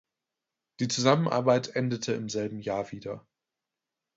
Die Zusammenarbeit endete im selben Jahr wieder.